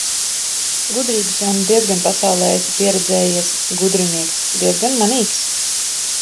Gudrības jau nu diezgan pasaulē esi pieredzējies. Gudrinieks! Diezgan manīgs.